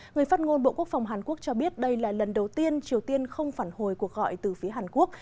người phát ngôn bộ quốc phòng hàn quốc cho biết đây là lần đầu tiên triều tiên không phản hồi cuộc gọi từ phía hàn quốc